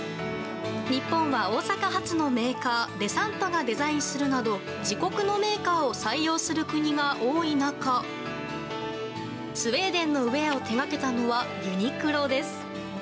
日本は大阪発のメーカー、デサントがデザインするなど、自国のメーカーを採用する国が多い中、スウェーデンのウエアを手がけたのは、ユニクロです。